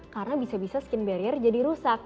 karena bisa bisa skin barrier jadi rusak